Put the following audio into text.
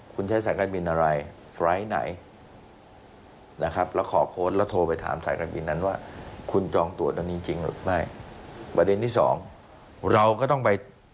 คุณใช้สายการบินอะไรไฟล์ไหนนะครับ